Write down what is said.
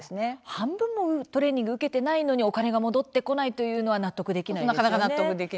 半分もトレーニングを受けていないのにお金が戻ってこないというのは納得できないですよね。